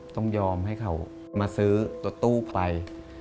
ต้องยอมให้เขามาซื้อรถตู้ไป